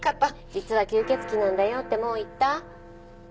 実は吸血鬼なんだよってもう言った？